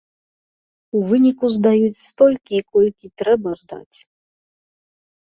У выніку здаюць столькі, колькі трэба здаць.